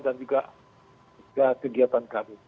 dan juga kegiatan kami